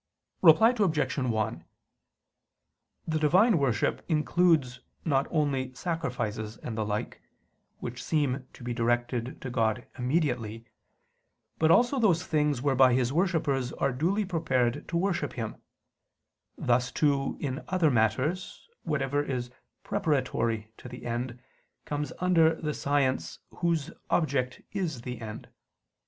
Reply Obj. 1: The Divine worship includes not only sacrifices and the like, which seem to be directed to God immediately, but also those things whereby His worshippers are duly prepared to worship Him: thus too in other matters, whatever is preparatory to the end comes under the science whose object is the end.